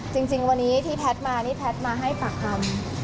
จริงวันนี้ที่แพทย์มานี่แพทย์มาให้ปากคำ